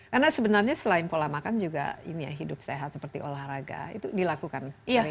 karena sebenarnya selain pola makan juga ini ya hidup sehat seperti olahraga itu dilakukan karina untuk menjaga